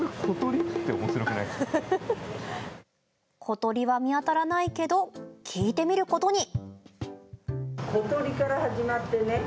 小鳥は見当たらないけど聞いてみることに。